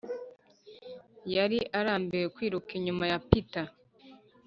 yari arambiwe kwiruka inyuma ya peter.